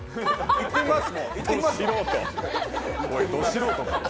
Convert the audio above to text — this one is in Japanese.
いってきます。